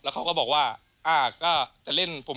ก็บอกว่าอ้าวก็จะเล่น